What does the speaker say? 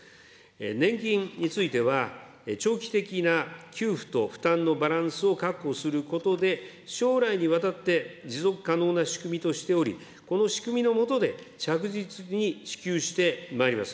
年金については、長期的な給付と負担のバランスを確保することで、将来にわたって持続可能な仕組みとしており、この仕組みの下で、着実に支給してまいります。